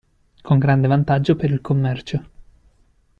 Con grande vantaggio per il commercio.